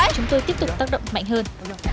chúng tôi tiếp tục tác động mạnh hơn